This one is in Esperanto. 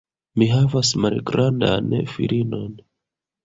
Mi havas malgrandan filinon.